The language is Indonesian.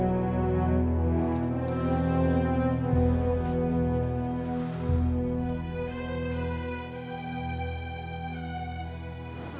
oh ya udah